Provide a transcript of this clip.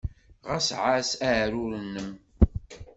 Ɣas ɛass aɛrur-nnem.